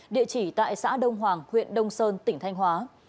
địa chỉ tại xã đông hoàng huyện đông sơn tỉnh thanh hóa